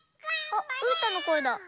あっうーたんのこえだ。